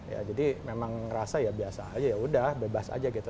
ya jadi memang ngerasa ya biasa aja ya udah bebas aja gitu